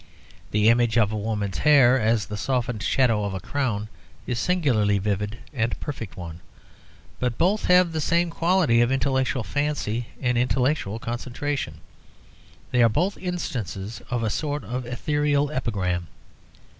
The image of a woman's hair as the softened shadow of a crown is a singularly vivid and perfect one. But both have the same quality of intellectual fancy and intellectual concentration. They are both instances of a sort of ethereal epigram.